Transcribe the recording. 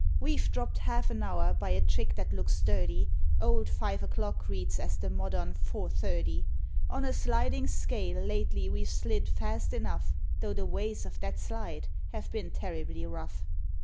We've dropped half an hour by a trick that looks dirty: Old five o'clock reads as the modern "four thirty." On a "sliding scale" lately we've slid fast enough, Though the "ways" of that slide have been terribly rough.